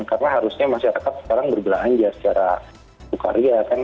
karena harusnya masyarakat sekarang berbelahan ya secara buka ria kan